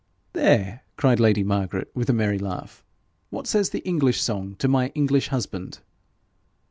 'There!' cried lady Margaret, with a merry laugh. 'What says the English song to my English husband?'